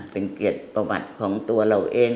เป็นเกียรติประวัติของตัวเราเอง